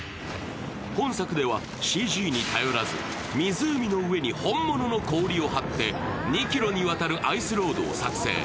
本作ではＣＧに頼らず湖の上に本物の氷を張って２ｋｍにわたるアイス・ロードを作成。